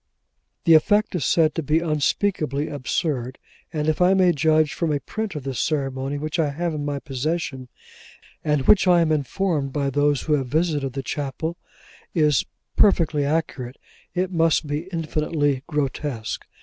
The effect is said to be unspeakably absurd: and if I may judge from a print of this ceremony which I have in my possession; and which I am informed by those who have visited the chapel, is perfectly accurate; it must be infinitely grotesque.